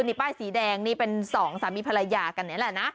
นี่ป้ายสีแดงนี่เป็นสองสามีภรรยากันนี่แหละนะ